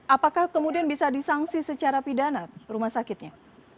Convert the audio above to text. apakah kemudian bisa disangsi secara pidana rumah sakitnya